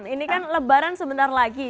ini kan lebaran sebentar lagi